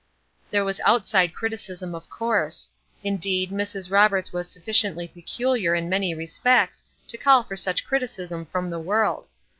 There was outside criticism, of course. Indeed, Mrs. Roberts was sufficiently peculiar in many respects to call for much criticism from the world.